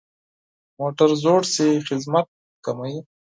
موټر زوړ شي، خدمت کموي.